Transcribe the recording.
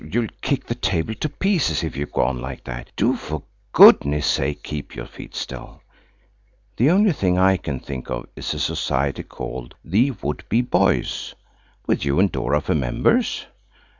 you'll kick the table to pieces if you go on like that. Do, for goodness' sake, keep your feet still. The only thing I can think of is a society called the Would be Boys." "With you and Dora for members."